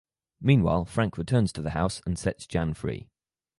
Meanwhile Frank returns to the house and sets Jan free.